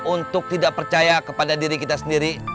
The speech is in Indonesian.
untuk tidak percaya kepada diri kita sendiri